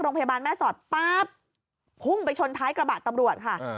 โรงพยาบาลแม่สอดป๊าบพุ่งไปชนท้ายกระบะตำรวจค่ะ